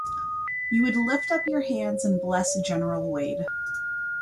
You would lift up your hands and bless General Wade.